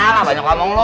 hah gak banyak ngomong lu